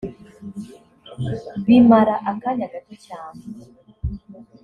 bimara akanya gato cyane